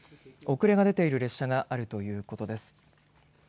遅れが出ている列車があるということです。